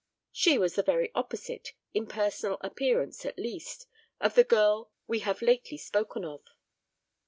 She was the very opposite, in personal appearance at least, of the girl we have lately spoken of.